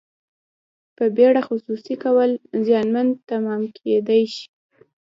په بیړه خصوصي کول زیانمن تمامیدای شي.